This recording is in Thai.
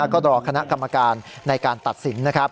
ก็รอคณะกรรมการในการตัดสินนะครับ